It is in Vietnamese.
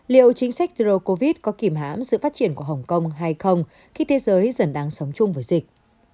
liệu chính sách rô covid có kìm hãm sự phát triển của hồng kông hay không khi thế giới dần đang sống chung với dịch